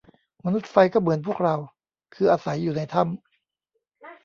มนุษย์ไฟก็เหมือนพวกเรา คืออาศัยอยู่ในถ้ำ